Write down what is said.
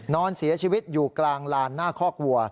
นอนเสียชีวิตอยู่กลางลานหน้าคอกวัว